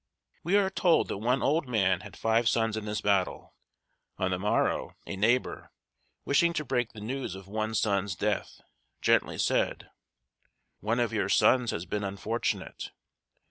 We are told that one old man had five sons in this battle. On the morrow, a neighbor, wishing to break the news of one son's death, gently said: "One of your sons has been unfortunate."